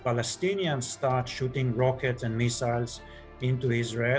palestina mulai menyerang roket dan misil ke israel